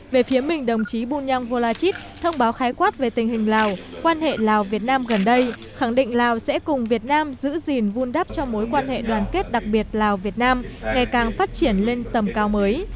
về phía mình đồng chí bunyang volachit thông báo khái quát về tình hình lào quan hệ lào việt nam gần đây khẳng định lào sẽ cùng việt nam giữ gìn vun đắp cho mối quan hệ đoàn kết đặc biệt lào việt nam ngày càng phát triển lên tầm cao mới